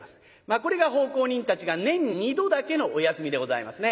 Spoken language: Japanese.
これが奉公人たちが年に２度だけのお休みでございますね。